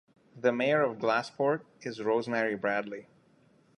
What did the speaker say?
The mayor of Glassport is Rosemary Bradley.